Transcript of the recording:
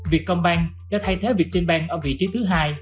việt công ban đã thay thế việt trinh ban ở vị trí thứ hai